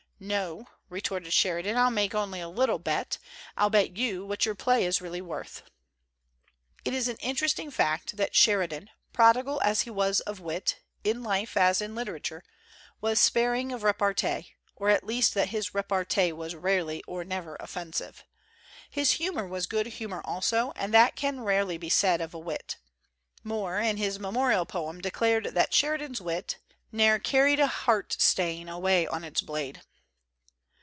"No," retorted Sheridan, "I'll make only a little bet. I'll bet you what your play is really worth." It is an interesting fact that Sheridan, prodigal as he was of wit, in life as in literature, was sparing of repartee, or at least that his repartee was rarely or never offensive. His humor was good humor also, and that can rarely be said of a wit. Moore, in his memorial poem, declared that Sheridan's wit Ne'er carried a heart stain away on its blade.